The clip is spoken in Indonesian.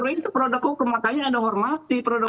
itu produk hukum makanya ada hormati produk hukum